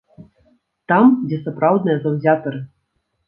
Там, дзе сапраўдныя заўзятары.